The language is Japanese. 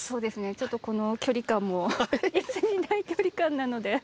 ちょっとこの距離感もいつにない距離感なので。